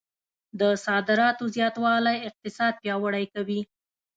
د صادراتو زیاتوالی اقتصاد پیاوړی کوي.